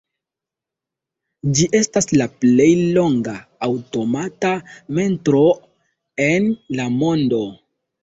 Ĝi estas la plej longa aŭtomata metroo en la mondo.